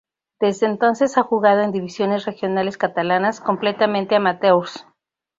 Desde entonces ha jugado en divisiones regionales catalanas, completamente amateurs.